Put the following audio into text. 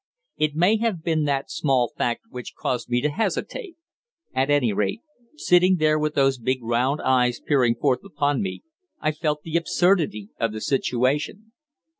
It may have been that small fact which caused me to hesitate. At any rate, sitting there with those big round eyes peering forth upon me, I felt the absurdity of the situation.